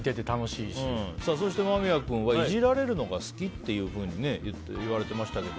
そして、間宮君はいじられるのが好きって言われていましたけど。